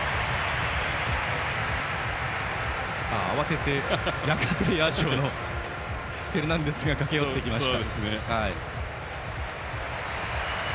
慌ててヤングプレーヤー賞のフェルナンデスが駆け寄ってきました。